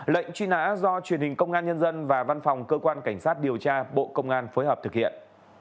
lệnh truy nã do truyền hình công an nhân dân và văn phòng cơ quan cảnh sát điều tra bộ công an phối hợp thực hiện